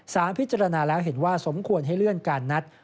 พิจารณาแล้วเห็นว่าสมควรให้เลื่อนการนัด